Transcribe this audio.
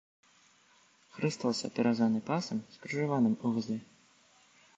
Хрыстос апяразаны пасам, скрыжаваным у вузле.